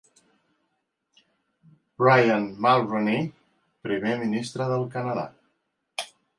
Brian Mulroney, primer ministre del Canadà.